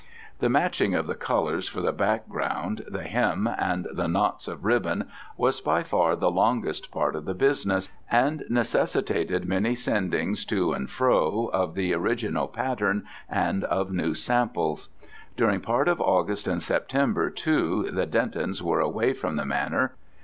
The matching of the colours for the background, the hem, and the knots of ribbon was by far the longest part of the business, and necessitated many sendings to and fro of the original pattern and of new samples. During part of August and September, too, the Dentons were away from the Manor.